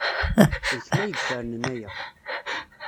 D kemm ay ifernen aya.